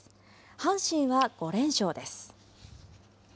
阪神は５連勝です。